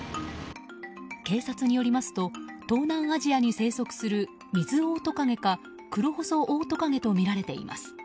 警察によりますと東南アジアに生息するミズオオトカゲかクロホソオオトカゲとみられています。